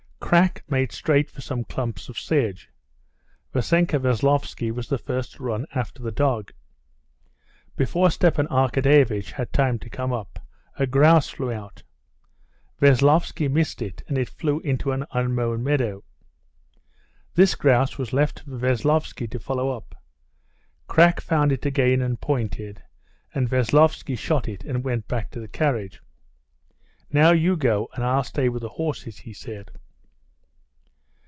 Krak made straight for some clumps of sedge. Vassenka Veslovsky was the first to run after the dog. Before Stepan Arkadyevitch had time to come up, a grouse flew out. Veslovsky missed it and it flew into an unmown meadow. This grouse was left for Veslovsky to follow up. Krak found it again and pointed, and Veslovsky shot it and went back to the carriage. "Now you go and I'll stay with the horses," he said.